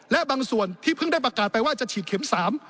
และบางส่วนที่เพิ่งได้ประกาศไปว่าจะฉีดเข็มสาม